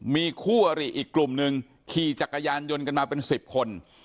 มีคู่อริอีกกลุ่มหนึ่งขี่จักรยานยนต์กันมาเป็น๑๐คน